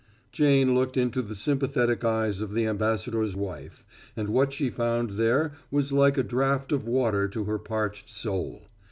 Jane looked into the sympathetic eyes of the ambassador's wife, and what she found there was like a draft of water to her parched soul.